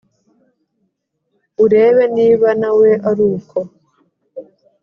urebe niba nawe ari uko